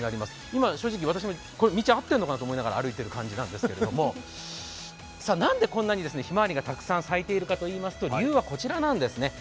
今、正直、私も道、合っているのかなと思いながら歩いている感じなんですけれどもなんで、こんなにひまわりがたくさん咲いているかといいますと、理由はこちらなんですね。